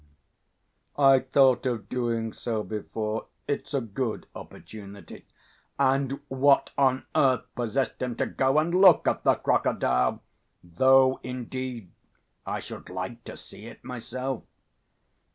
I thought of doing so before; it's a good opportunity.... And what on earth possessed him to go and look at the crocodile? Though, indeed, I should like to see it myself."